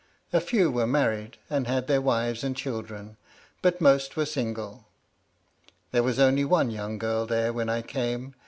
A few were married, and had their wives and children, but most were single. There was only one young girl there when I came.